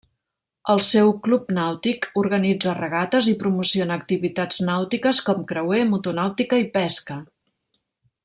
El seu club nàutic organitza regates i promociona activitats nàutiques com creuer, motonàutica i pesca.